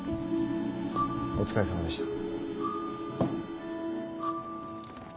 お疲れさまでした。